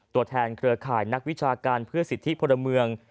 ตัวแทนเครือข่ายนักวิชาการเพื่อสิทธิพลเมือง